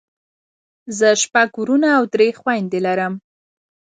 زه شپږ وروڼه او درې خويندې لرم.